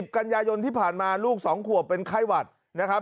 กันยายนที่ผ่านมาลูก๒ขวบเป็นไข้หวัดนะครับ